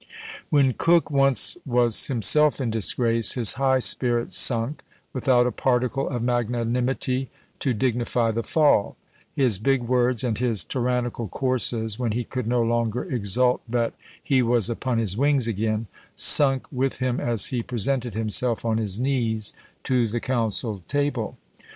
When Coke once was himself in disgrace, his high spirit sunk, without a particle of magnanimity to dignify the fall; his big words, and his "tyrannical courses," when he could no longer exult that "he was upon his wings again," sunk with him as he presented himself on his knees to the council table.